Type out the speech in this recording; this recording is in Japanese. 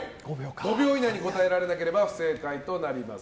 ５秒以内に答えられなければ不正解となります。